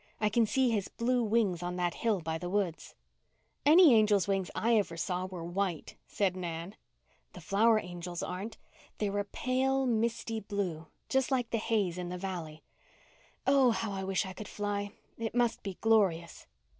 I can see his blue wings on that hill by the woods." "Any angels' wings I ever saw were white," said Nan. "The flower angel's aren't. They are a pale misty blue, just like the haze in the valley. Oh, how I wish I could fly. It must be glorious."